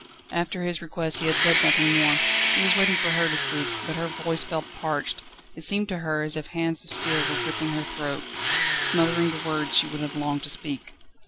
After his request he had said nothing more. He was waiting for her to speak; but her voice felt parched; it seemed to her as if hands of steel were gripping her throat, smothering the words she would have longed to speak.